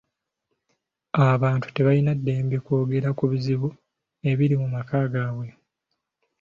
Abantu tebalina ddembe kwogera ku bizibu ebiri mu maka gaabwe.